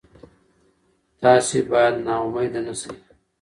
تاسي باید نا امیده نه شئ.